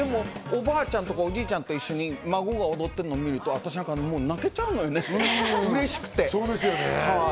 これも若者にウケたみたいで、おばあちゃんとかおじいちゃんとかも一緒に孫が踊ってるのを見ると、私泣けちゃうのよね、嬉しくて。